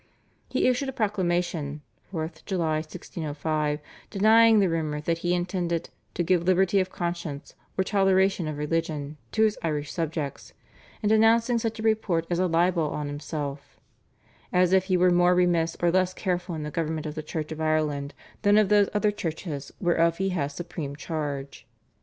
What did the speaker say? He issued a proclamation (4 July 1605) denying the rumour that he intended "to give liberty of conscience or toleration of religion" to his Irish subjects, and denouncing such a report as a libel on himself, "as if he were more remiss or less careful in the government of the Church of Ireland than of those other churches whereof he has supreme charge."